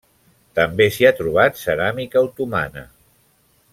També s'hi ha trobat ceràmica otomana.